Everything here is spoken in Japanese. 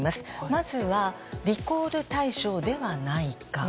まずはリコール対象ではないか。